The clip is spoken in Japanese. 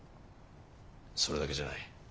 それだけじゃない。